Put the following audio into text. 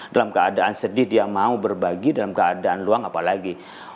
dalam keadaan sedih dia mau berbagi dalam keadaan luang apalagi